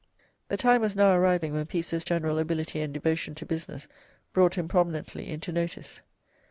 The time was now arriving when Pepys's general ability and devotion to business brought him prominently into notice.